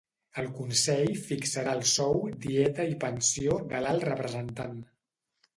El Consell fixarà el sou, dieta i pensió de l'Alt Representant.